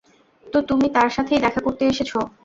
তো তুমি তার সাথেই দেখা করতে এসেছ?